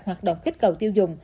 hoạt động khích cầu tiêu dùng